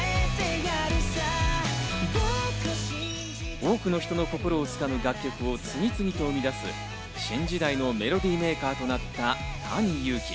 多くの人の心をつかむ楽曲を次々と生み出す、新時代のメロディーメーカーとなったＴａｎｉＹｕｕｋｉ。